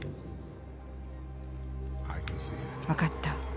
分かった。